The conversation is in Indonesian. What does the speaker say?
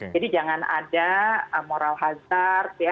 jadi jangan ada moral hazard ya